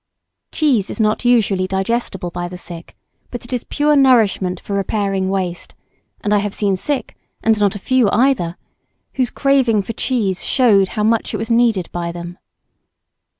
Cheese is not usually digestible by the sick, but it is pure nourishment for repairing waste; and I have seen sick, and not a few either, whose craving for cheese shewed how much it was needed by them.